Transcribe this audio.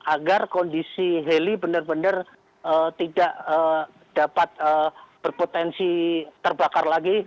agar kondisi heli benar benar tidak dapat berpotensi terbakar lagi